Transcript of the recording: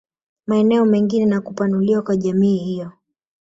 Maeneo mengine na kupanuliwa kwa jamii hiyo